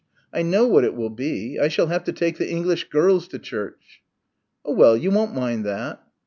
I know what it will be, I shall have to take the English girls to church." "Oh, well, you won't mind that."